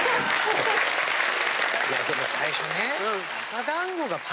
いやでも最初ね。